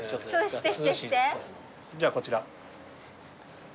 じゃあこちら。